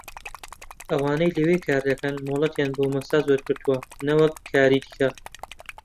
ئەوانەی لەوێ کاردەکەن مۆڵەتیان بۆ مەساج وەرگرتووە نەوەک کاری دیکە